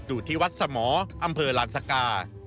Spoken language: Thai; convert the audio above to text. อยู่ที่วัดสมอำเภอลานสกา